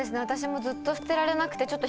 私もずっと捨てられなくて。